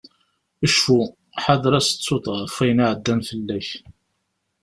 Cfu, ḥader ad tettuḍ ɣef wayen iɛeddan fell-ak.